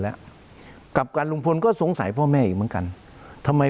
แล้วกลับกันลุงพลก็สงสัยพ่อแม่อีกเหมือนกันทำไม